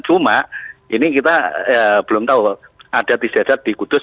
cuma ini kita belum tahu ada tisdat di kudus